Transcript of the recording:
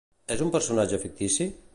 És un personatge fictici?